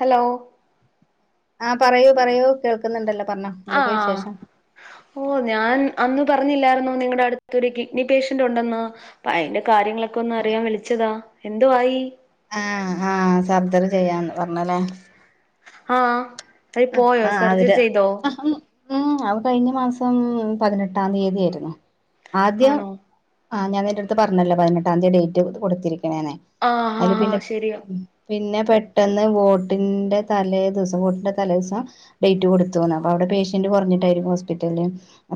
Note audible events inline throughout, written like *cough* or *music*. Hello ആഹ് പറയൂ പറയൂ കേൾക്കുന്നുണ്ടല്ലോ പറഞ്ഞോ ആഹ് എന്തൊക്കെയ ആഹ് വിശേഷം ഓഹ് ഞാൻ അന്ന് പറഞ്ഞില്ലായിരുന്നോ നിങ്ങടെ അടുത്തൊരു കിഡ്നി പേഷ്യന്റ് ഉണ്ടെന്ന് അയിന്റെ കാര്യങ്ങളൊക്കെ ഒന്ന് അറിയാൻ വിളിച്ചതാ എന്തുവായി ആഹ് ആഹ് സർജറി ചെയ്യാന്ന് പറഞ്ഞ് അല്ലേ ആഹ് നി പോയോ ആഹ് സർജറി അവര് ചെയ്തോ. ആഹ് ഉം ഉം ആഹ് കഴിഞ്ഞ മാസം പതിനെട്ടാം തീയതി ആയിരുന്നു ആദ്യം. ആണോ ആഹ് ഞാൻ എന്റെ അടുത്ത് പറഞ്ഞല്ലോ പതിനെട്ടാം തിയതി ഡേറ്റ് കൊടുത്തിരിക്കണേന് ആഹ് അതില് ആഹ് പിന്നെ. ആഹ് ശരിയാ പിന്നെ പെട്ടെന്ന് വോട്ടിന്റെ തലേ ദിവസം വോട്ടിന്റെ. തലേ ദിവസം ഡേറ്റ് കൊടുത്തുന്ന് അപ്പൊ അവിടെ പേഷ്യന്റ് കെറഞ്ഞിട്ടായിരിക്കും ഹോസ്പിറ്റലിന്ന്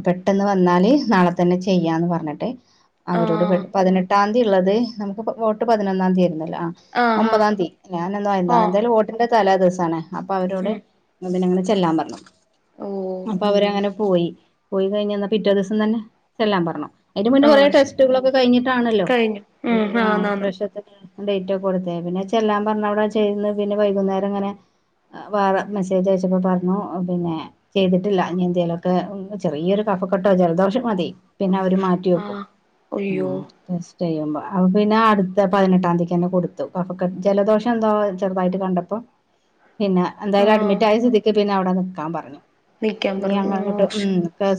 പെട്ടെന്ന് വന്നാല് നാളെ തന്നെ ചെയ്യാന്ന് പറഞ്ഞിട്ട്. അവരോട് ആഹ് പതിനെട്ടാം തീയതി ഒള്ളത് നമുക്ക് വോട്ട് പതിനൊന്നാം തീയതിയിരുന്നല്ലോ ആഹ് ഒമ്പതാതീ ഞാനന്ന് ഓഹ് എന്തായാലും വോട്ടിന്റെ തലേ ദിവസമാണ് അപ്പൊ അവരോട്. ഉം പിന്നെ അങ്ങനെ ചെല്ലാൻ പറഞ്ഞു ഓ അപ്പൊ അവരങ്ങനെ. പോയി പോയി കഴിഞ്ഞ പിന്നെ പിറ്റേ ദിവസം തന്നെ ചെല്ലാൻ പറഞ്ഞു. അതിന് മുന്നേ കൊറെ ആഹ് ശരി ടെസ്റ്റുകളൊക്കെ കഴിഞ്ഞിട്ടാണല്ലോ കഴിഞ്ഞു ഈ ഉം ആന്നാന്ന് ഓപ്റേഷ ഡേറ്റൊക്കെ കൊടുത് പിന്നെ ചെല്ലാൻ പറഞ്ഞ അവിടെ ചെന്ന് പിന്നെ വൈകുന്നേരം ഇങ്ങനെ വേറെ. മെസ്സേജ് അയച്ചപ്പോ പറഞ്ഞു പിന്നെ. ചെയ്തിട്ടില്ല നീ എന്തേലൊക്കെ ചെറിയൊരു കഫക്കെട്ടോ ജലദോഷം മതി പിന്നെ അവര് മാറ്റും. റ്റിവെക്കും ആഹ് അയ്യോ ഉം ടെസ്റ്റ് ചെയ്യുമ്പോ അപ്പ പിന്നെ അടുത്ത പതിനെട്ടാം തീയതി തന്നെ കൊടുത്തു കഫകെ ജലദോഷം എന്തോ ചെറുതായിട്ട് കണ്ടപ്പോ പിന്നെ എന്തായാലും ആഹ് അഡ്മിറ്റ് ആയ സ്ഥിതിക്ക് പിന്നെ അവിടെ നിക്കാൻ പറഞ്ഞു. നിക്കാൻ പറഞ്ഞു ഞ്ഞിഞങ്ങളങ്ങോട്ട് ഉം.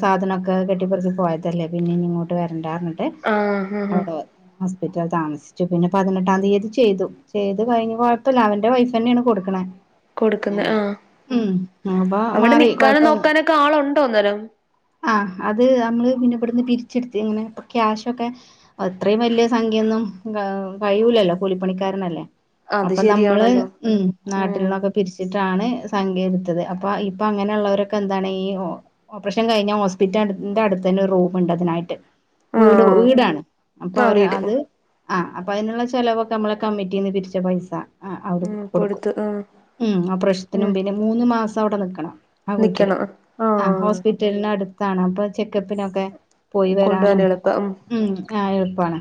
സാധനയൊക്കെ കെട്ടിപ്പറക്കി പോയതല്ലേ പിന്നെ ഇനി ഇങ്ങോട്ട് വരണ്ടാന്ന് ഏഹ് ആഹ് ആഹ് അവിടെ ഹോസ്പിറ്റൽ താമസിച്ചു പിന്നെ പതിനെട്ടാം തീയതി ചെയ്തു. ചെയ്ത് കഴിഞ്ഞ് കുഴപ്പയില്ല അവന്റെ വൈഫ് തന്നെയാണ് കൊടുക്കണേ. കൊടുക്കുന്നേ ഏഹ് ആഹ് ഉം അപ്പൊ അവിടെ മാറി നിക്കാനും കൊഴപ്പ നോക്കാനൊക്കെ ആളുണ്ടോ അന്നേരം. ആഹ് അത് നമ്മള് പിന്നെ ഇവിടുന്ന് പിരിച്ചെടുത്ത് ഇങ്ങനെ ക്യാഷൊക്കെ. അത്രയും വലിയ സംഖ്യയൊന്നും കഴിയൂലല്ലോ കൂലിപ്പണിക്കാരനല്ലേ. അത് അപ്പൊ നമ്മള് ശരിയാണല്ലോ ഉം. നാട്ടിൽ ഉം നിന്നൊക്കെ പിരിച്ചിട്ടാണ് സംഖ്യ എടുത്തത് അപ്പൊ ഇപ്പൊ അങ്ങനെയുള്ളവരൊക്കെ എന്താണ് ഈ ഓഹ് ക്ഷൻ കഴിഞ്ഞൽ ഹോസ്പിറ്റൽന്റെ അടുത്ത് തന്നെ റൂമുണ്ട് അതിനായിട്ട് വീട് ആഹ് വീടാണ്. അപ്പൊ ആ അവര് വീട് അത് ആഹ് അപ്പൊ അതിനുള്ള ചെലവൊക്കെ നമ്മളെ കമ്മിറ്റിന്ന് പിരിച്ച പൈസ. ആഹ് അവടെ ഉം കൊടുക്കും കൊടുത്ത് ഉം ഉം ആഹ് ഉം പ്രശ്നത്തിനും പിന്നെ. മൂന്ന് മാസം അവിടെ നിക്കണം ആ വീട്ടില് നിക്കണം ആ ആഹ് ഹോസ് പിറ്റലിന് അടുത്താണ് അപ്പൊ ചെക്കപ്പിനൊക്കെ പോയി കൊണ്ടുപോവാൻ വരാനും. എളുപ്പം ഉം ആഹ് എളുപ്പാണ്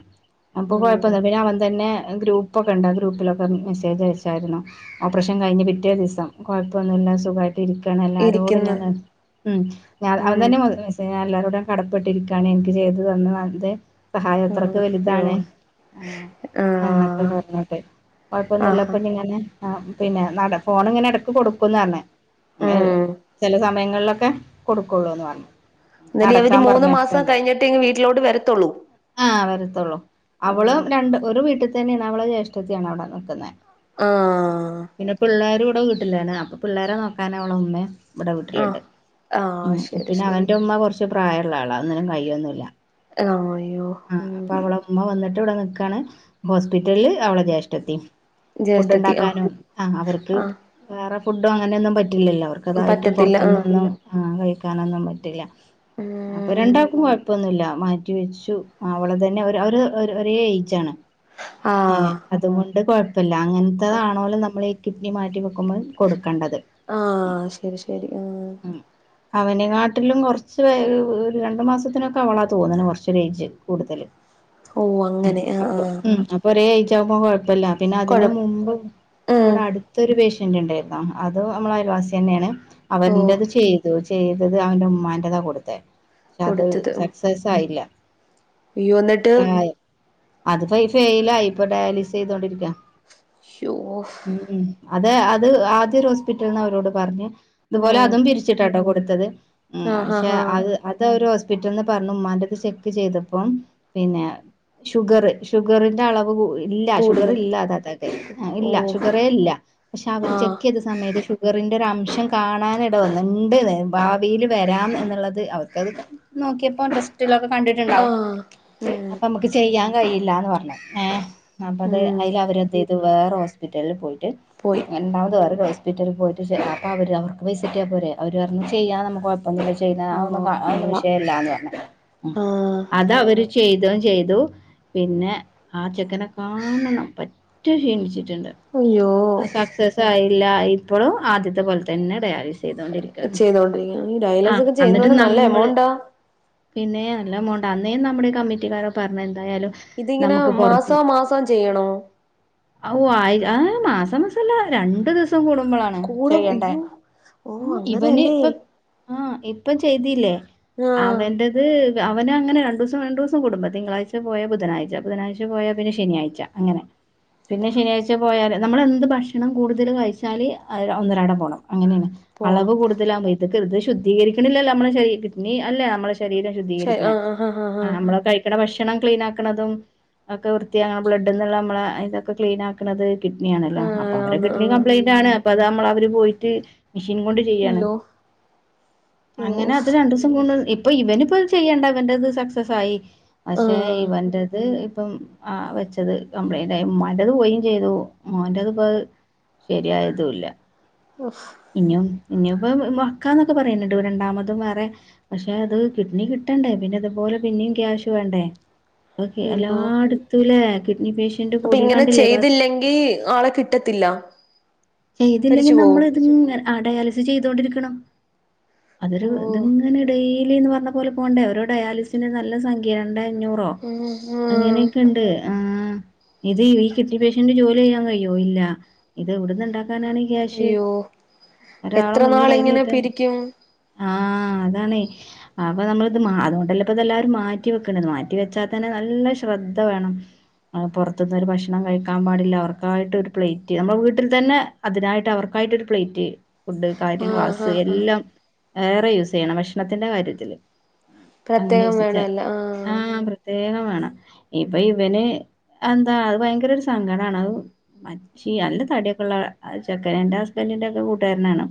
അപ്പൊ ഉം കൊഴപ്പല്ല പിന്നെ അവൻ തന്നെ ഗ്രൂപ്പ്. ഗ്രൂപ്പൊക്ക്ഒണ്ടായിരുന്നു ആ ഗ്രൂപ്പിലൊക്കെ മെസ്സേജ് അയച്ചായിരുന്നു. ഓപ്പറേഷൻ കഴിഞ്ഞ് പിറ്റേ ദിവസം കുഴപ്പൊന്നുല്ല സുഖവായിട്ട് ഇരിക്കണ് എല്ലാരോടും ഇരിക്കുന്നു ഞാന് ഉം അവൻ ഉം തന്നെ മൊത്ത എല്ലാരോടും കടപ്പെട്ടിരിക്കണ് എനിക്ക് ചെയ്തന് *unintelligible* സഹായം അത്രക് അയ്യോ വലുതാണ്. ആ ഞങ്ങോട്ട് ആഹ് പറഞ്ഞോട്ടെ ആഹാ കൊഴപ്പൊന്നുല്ലപ്പൊഞ്ഞിങ്ങനെ ആ പിന്നെ നട ഫോണ് ഇങ്ങനെ ഇടക്ക് കൊടുക്കുംന്ന് പറഞ് ഉം ചെല സമയങ്ങളിലൊക്കെ. കൊടുക്കുള്ളൂന്ന് പറഞ്ഞു. ഉം, എന്ന അവര് നടക്കാൻ മൂന്ന് മാസം പറഞ്ഞിട്ടുണ്ട് കഴിഞ്ഞിട്ടേ ഇനി വീട്ടിലോട്ട് വരത്തുള്ളൂ. ആഹ് വരത്തുള്ളൂ അവളും ആഹ് രണ്ട് ഒരു വീട്ടിൽ തന്നെയാണ് അവള ജ്യേഷ്ഠതിയാണ് അവിടെ നിൽക്കുന്നത്. ആഹ് പിന്നെ പിള്ളേർ ഇവിടെ വീട്ടിലാണ് അപ്പൾ പിള്ളേരെ നോക്കാന അവള ഉമ്മയും ഇവിടെ ആഹ് വീട്ടിലുണ്ട. ആഹ് ഉം ശരി പിന്നെ ശരി അവന്റെ ഉമ്മ കുറച് കുറച്ച് പ്രായള്ള ആള ഒന്നിനുംകഴൊന്ല്ല ആഹ് അയ്യോ ഉം അപ്പ അവള. ഉമ്മ വന്നിട്ട് ഇവിടെ നിക്കാണ് ഹോസ്പിറ്റലില് അവടെ ജേഷ്ടത്തി. ഫുഡ് ജ്യേഷ്ഠത്തി ആഹ് ഉണ്ടാക്കാനും ആഹ് അവർക്ക് ആഹ് വേറെ ഫുഡും അങ്ങനെയൊന്നും പറ്റില്ലല്ലോ അവർക്ക് അതായിട്ട് പറ്റത്തില്ല ആഹ് പുറത്ത്ന്നൊന്നും ആ കഴിക്കാനൊന്നും പറ്റില്ല. അപ്പൊ ഉം രണ്ടാക്കും കൊഴപ്പൊന്നുല്ല. വെച്ചു അവളതന്നെ ഒര് ഒരേ ഏയ്ജാണ് ആഹ് അതുകൊ കൊഴപ്പല്ല കൊ അങ്ങൻത്തതാണോലും നമ്മളി ഈ കിഡ്നി മാറ്റി വെക്കുമ്പോള് കൊടുക്കണ്ടത് ആഹ് ശരി ശരി ആഹ് ഉം അവനെ കാട്ടിലും കൊറച്ച് വെര് രണ്ടു മാസത്തിനൊക്കെ അവളാ തോന്ന്ണ് കൊറച്ചേരേജ് കൂടുതല് ഓഹ് ഉം അങ്ങനെ ആഹ് അപ്പൊ ആഹ് ഉം അപ്പൊ ഒരേ ഏജാവുമ്പോ കൊഴപ്പല്ല പിന്നെ കൊഴ അതിന് മുമ്പ് ഉം ഇവിടെ അടുത്തൊരുപേശ്യന്റ് ണ്ടായിരുന്നോ അത് നമ്മൾ അയൽവാസിന്നെണ് ഓഹ് അവന്റെത് ചെയ് ചെയ്തത് അവന്റെ ഉമ്മാണ്ടാത കൊടുത്തേ ഷേ അത് കൊടുത്തത് ഉം സക്സസ് ആയില്ല അയ്യോ എന്നിട്ട് ആഹ് അത്പ്പോ ഫെയിലായി ഇപ്പൊ ഡയാലിസ് യ്തോണ്ടിരിക്ക ശൂഹോ ഉം അതെ അത് ആദ്യ ഒരു ഹോസ്പിറ്റൽന്ന് അവരോട് പറഞ്ഞ് ഇതുപോലെ ഉം അതും തിരി ച്ചിട്ടാട്ടോ കൊടുത്തത് ആഹ് ആഹ് പഷേ ആഹ് അത് അതവര് ഹോസ്പിറ്റലന്ന് പറഞ്ഞു ഉമ്മാൻന്റെത് ചെക്ക് ചെയ്തപ്പം പിന്നെ ഷുഗർ ഷുഗറിന്റെ അളവ് കു ഇല്ല ഷുഗർ കൂടുതൽ ഇല്ലതാതാക് ഇല്ല ഓഹ് ഷുഗറെ ഇല്ല പഷേ അവര് ആഹ് ചെക്ക്യ്ത് സമയത്ത് ഷുഗറിന്റെ ഒരരംശം കാണാനടവ റെണ്ട് ഭാവിയിൽ വെരാംന്നുള്ളത് അവർക്കത് നോക്കിയപ്പോ ട്ടേസ് റ്റിള്ളോക്കെ കണ്ടിട്ടുണ്ടാവും ആഹ് ഉം അപ്പൊമ്മക്ക് ചെയ്യാൻ കഴിയില്ലാന്ന് പർഞ് ഏഹ് അപ്പ അത് ഉം അയില് അവരന്ത്‌യ്തു. വേറെ ഹോസ്പിറ്റല്ല് പോയിട്ട് പോയി രണ്ടാമത് വേറൊരു ഹോസ്പിറ്റല് പോയിട്ട് ചെയ് അപ്പോവര് അവർക്ക് പൈസട്ട്യാ പോരെ അവര് അർണു ചെയ്യാന്നർണു കൊ അപ്പൊ ചെയ്യുന്ന ഒന്നും ആഹ് ക ഒന്നും കൊള്ളാം വിഷയല്ലാന്ന് പർണ് ആഹ് അത അവര് ചെയ്ത ചെയ്തു പിന്നെ ആ ചെക്കനെ കാണണം പറ്റെ ഷീണിച്ചിട്ട്ണ്ട് അയ്യോ സക്സസ് ആയില്ല ഇപ്പോളും ആദ്യത്തെ പോൽ തന്നെ ഡയാലിസ് ചെയ്തൊണ്ടിരിക്കണ് ചെയ്തോണ്ടിരിക്ക ഈ ആ ഡയലേഴ്സ് ഒക്കെ അന്നട്ട് ചെയ്യുന്നോന് നല്ല നമ്മള് എമൗണ്ടാ പിന്നെ നല്ലമൗണ്ട് അന്നേം നമ്മടെ കമ്മിറ്റിക്കാരോ പറഞ്ഞന്തായാലും ഇതിങ്ങനെ മാസൊ മാസൊ ചെയ്യണോ അവു ആയി ആ മാസം മാസല്ല രണ്ടു ദിവസം കുടുമ്പോളാണ് കൂടോം ഇയ്യോ ഉം ഇവന് ഇപ്പ ആഹ് ഇപ്പം ചെയ്തിലേ ആഹ് അവന്റെ ത് അവനങ്ങനെ രണ്ടുസം രണ്ടുസം കൂടുമ്പൊ തിങ്കളാഴ്ച പോയാ ബുധനാഴ്ച ബുധനാഴച പോയാ പിന്നെ ശനിയാഴ്ച. അങ്ങനെ. പിന്നെ ശനിയാഴ്ച പോയാല് നമ്മള് എന്ത് ഭഷണം കൂടുതൽ കഴിച്ചാല് ഒന്നരടം പോണം അങ്ങനെണ്. അളവ് പോണം കൂടുതലാഉമ്പൊ ഇത്ക് ഇത് ശുദ്ധീകരിക്കണില്ലല്ലോ നമ്മളെശരീ കിട്ണി അല്ലേ നമ്മളെ ശരീര ശുദ്ധീകരിക്കണെ ആഹ് മ്മളെ കൈ ഇട ഭഷണം ക്ലീൻ ആക്ണതും ഒക്കെ വൃത്തിയാ ബ്ലഡ്ന്നുള്ളമ്മളെ അയിണ്ടോക്കെ ക്ലീൻ ക്ണത് കിഡ്നി ആണല്ലോ അപ്പൊ ആഹ് അവരെ ആന്ന് കിഡ്നി ആഹ് കംപ്ലയിന്റ് ആണ്. അപ്പ അത് നമ്മള് അവര് പോയിട്ട് മിഷീൻ കൊണ്ട് ചെയ്യണ്. അയ്യോ അങ്ങനെ ഓഫ് അത് രണ്ടുസ് പ്പംപോണു ഇപ്പൊ ഇവനിപ്പൊ ചെയ്യേണ്ട ഇവന്റെത് സക്സസായി. അഷേ. ആഹ് ഇവന്റെത് ഇപ്പം. ആഹ് വെച്ചത് കംപ്ലൈന്റയി ഇമ്മന്റെത് പോയി ചെയ്തു മോന്റത് ഇപഹ്. ശരിയായതുല്ല. ഓഹ് ഇനിയും ഇനിയുപ്പ മക്കാന്നൊക്കെ പറയുന്നുണ്ട് രണ്ടാമതും വേറെ. പഷേ അത് കിഡ്നി കിട്ടണ്ടേ പിന്നെ ഇതുപോലെ പിന്നിം ക്യാഷ് വേണ്ടേ. ഓക്കെ അയ്യോ എല്ലാടത്തുലേ കിഡ്നി പേഷ്യൻ തിന്റെ അപ്പൊ ഇങ്ങനെ കൂടിങ്ങാണ്ടില്ലെ റസ് ചെയ്തില്ലെങ്കി ആളെ കിട്ടത്തില്ല ചെയ്തില്ലെങ്കിൽ മരിച്ചു നമ്മൾ. പോവും ഇങ്ങനെ ആഹ് ഡയാലിസിസ് ചെയ്തൊണ്ടിരിക്കണം ഓഹ് അതൊരുത്ങ്ങനെ ഡെയ്ലിന്ന് പറണ പോല് പോണ്ടേ ഓരോ ഡയാലിസിനു നല്ല സംഖ്യ രണ്ടേ അഞ്ഞൂ ഓഹ് ഉം ആഹ് അങ്ങനെയൊക്കെണ്ട് ആഹ് ഇത് ഈ കിട്ടിയ പേഷ്യന്റ് ജോലിയ്യാൻ കയിയോ ഇല്ല ഇത് എവിടന്നുണ്ടാ അയ്യോ ഒരാളെ എത്ര മുന്നിൽ കൈ നാളിങ്ങനെ നീട്ടൻ പിരിക്കും ആഹ് അതാണെ അപ്പൊ നമ്മള ഇത് മാ അതുകൊണ്ടല്ലപ്പിത് എല്ലാരും മാറ്റി വെക്കണത് മാറ്റി വെച്ചാ തന്നെ നല്ല ശ്രദ്ധ വേണം അഹ് പൊറത്തിന്നൊരു ഭക്ഷണം കഴിക്കാൻ പാടില്ല അവർക്കായിട്ട് ഒരു പ്ലേറ്റ് നമ്മുടെ വീട്ടിൽ തന്നെ അതിനായിട്ട് അവർക്കായിട്ടൊരു പ്ലേറ്റ് ഫുഡ് കാര്യം ആഹ് ആഹ് ഗ്ലാസ്സ് ആഹ് എല്ലാം വേറെ യൂസയ്യണം ഭക്ഷണത്തിന്റെ കാര്യത്തില് അങ്ങനെ പ്രത്യേകം യൂസ് ചെ വേണമല്ലോ ആഹ് പ്ര ത്യേകം വേണം ഇപ്പൊ ഇവന് എന്താ അത് ഭയങ്കര ഒരു സങ്കടാണ് അഹ് മച്ചി അല്ല തടിയൊക്കള്ള അഹ് ചക്കരേന്റ ബൻഡിൻ്റെക്ക കൂട്ടുകാരനാണ്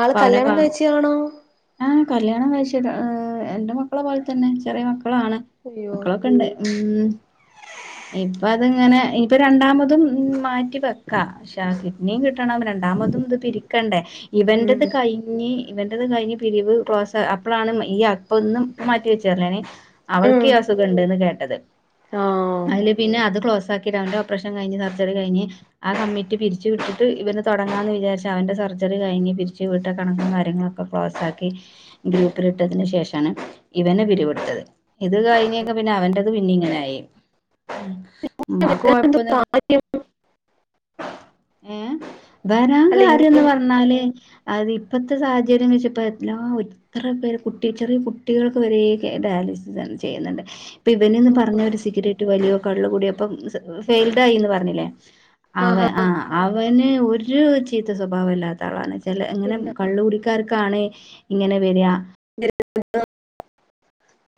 ആള് പ അവനൊക്ക കല്യാണം കഴിച്ചയാണോ ആഹ് കല്യാണം കഴിച്ചിട്ട് എന്റെ മക്കളെ പോലെ തന്നെ ചെറിയ മക്കളാണ് അയ്യോ മക്കളൊക്കെ ഇണ്ട് ഉം ഇപ്പ അതിങ്ങനെ ഇപ്പൊ രണ്ടാമതും മാറ്റി വെക്കാ ക്ഷാ കിഡ്നിയും കിട്ടണം രണ്ടാമതും ഇത് തിരിക്കണ്ടേ ഇവൻ്റത് ഉം കയി ഇനി ഇവന്റെതും കയിഞ്ഞ് പിരിവ് ക്ലോസാ അപ്പളാണ് ഈ അപ്പൊന്നും മാറ്റി വെച്ചറിനാനി അവർക്ക് ഉം ഈ അസുഖം ഉണ്ട്ന്ന് കേട്ടത് ആഹ് അയ്ല് പിന്നെ അത് ക്ലോസാക്കി ക്ക് രണ്ട് ഓപ്പറേഷൻ കയിഞ്ഞ് സർജറി കയിഞ്ഞ് ആ കമ്മിറ്റി പിരിച്ചു വിട്ടിട്ട് ഇവന് തൊടങ്ങാന്ന് വിചാരി അവൻ്റെ സർജറി കയിഞ്ഞ് പിരിച്ച് വീട്ട കണക്കും കാര്യങ്ങളൊക്കെ ക്ലോസ്സാക്കി ഗ്രൂപ്പിലിട്ടതിന് ശേഷാണ് ഇവന് പിരിവെടുത്തത് ഇത് കയിഞ്ഞൊക്കെ പിന്നെ അവൻ്റത് പിന്നെ ഇങ്ങനായി ഉം മ്മക്ക് അതെന്തോ കൊഴപ്പല്ല കാര്യം ഏഹ് അല്ല വരാങ്കാ ര്ന്ന് ഇങ്ങനെ പറഞ്ഞാല് അത് ഇപ്പത്തെ സാഹചര്യം ന്നിച്ചപ്പോ എല്ലാം ഒര് ഇത്ര പേര് കുട്ടി ചെറിയ കുട്ടികൾക്ക് വരെ കേ ഡയാലിസ് തൻ ചെയ്യുന്നുണ്ട് ഇപ്പൊ ഇവനെന്ന് പറഞ്ഞ ഒരു സീഗര റ്റ് വലിയോ കള്ള് കൂടിയോ അപ്പം ഫെയിൽഡ് ആയിന്ന് പറഞ്ഞില്ലേ അവ ആഹ് അവന് ഒരു ചീത്ത സ്വഭാവില്ലാത്ത ആളാണ് ചെല അങ്ങനെ ഇല്ല കള്ളുകുടിക്കാർക്കാണ് ഇങ്ങനെ വെരാ *unintelligible*